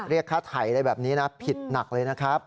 เรียกค่าไถ่อะไรแบบนี้นะผิดหนักเลยนะครับ